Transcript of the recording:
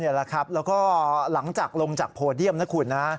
แหละครับแล้วก็หลังจากลงจากโพเดียมนะคุณนะ